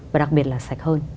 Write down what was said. và đặc biệt là sạch hơn